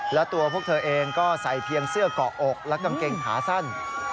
และตัวพวกเธอเองก็ใส่เพียงเสื้อเกาะอกและกางเกงขาสั้น